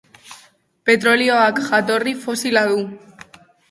Petrolioak jatorri fosila du.